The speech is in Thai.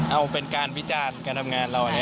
เอาเป็นการวิจารณ์การทำงานเรา